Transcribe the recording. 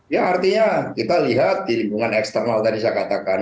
ya artinya kita lihat di lingkungan eksternal tadi saya katakan